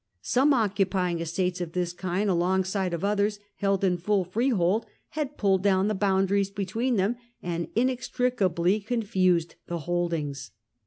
Some, occupying estates of this kind alongside of others held in full freehold, had pulled down the boundaries between them, and inextricably confused the holdings.